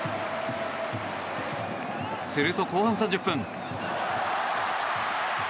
すると後半３０分。